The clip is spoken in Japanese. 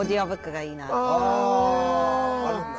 あるんだ？